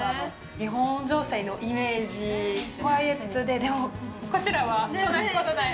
日本女性のイメージ、クワイエットで、でも、こちらはそんなことない。